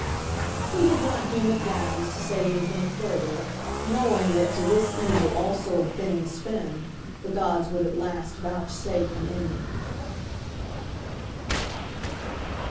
He did not deem it wise to say anything further, knowing that to this evil also of Phineas Finn the gods would at last vouchsafe an ending.